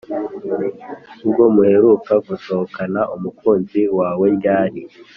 ubwo muheruka gusohokana umukuzi waweryari?